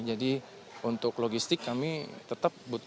jadi untuk logistik kami tetap butuh